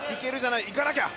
いかなきゃ。